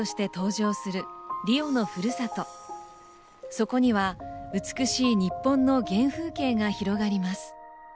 そこには美しい日本の原風景が広がります